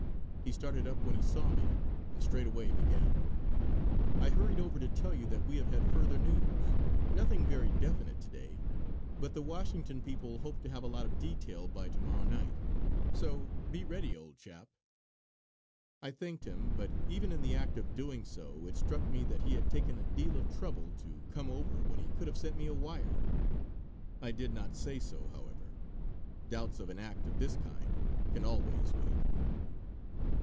He started up when he saw me and straightway began: "I hurried over to tell you that we have had further news. Nothing very definite to day; but the Washington people hope to have a lot of detail by to morrow night. So be ready, old chap!" I thanked him, but even in the act of doing so it struck me that he had taken a deal of trouble to come over when he could have sent me a wire. I did not say so, however; doubts of an act of this kind can always wait.